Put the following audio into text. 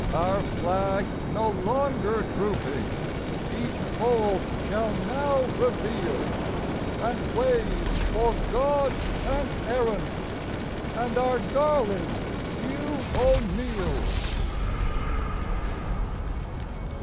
Our flag no longer drooping, each fold shall now reveal, And wave for God and Erin and our darling Hugh O'Neill.